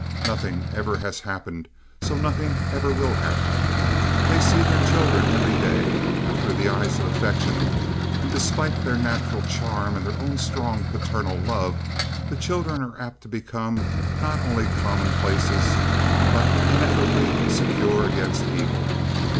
Nothing ever has happened, so nothing ever will happen. They see their children every day, and through the eyes of affection; and despite their natural charm and their own strong parental love, the children are apt to become not only commonplaces, but ineffably secure against evil.